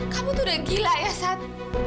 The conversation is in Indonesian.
kamu tuh udah gila ya saat